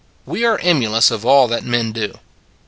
" We are emulous of all that men do.